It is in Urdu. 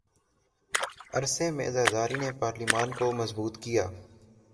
س عرصے میں زرداری نے پارلیمان کو مضبوط کیا